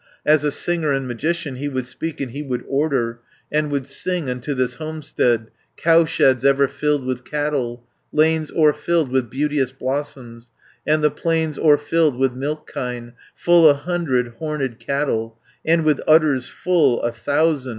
400 "As a singer and magician, He would speak, and he would order, And would sing unto this homestead, Cowsheds ever filled with cattle, Lanes o'erfilled with beauteous blossoms, And the plains o'erfilled with milch kine, Full a hundred horned cattle, And with udders full, a thousand.